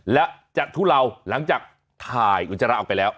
และจะทุเลาหลังจากถ่ายอุจจาระออกไปแล้ว